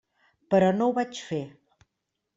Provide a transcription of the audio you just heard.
Però no ho vaig fer.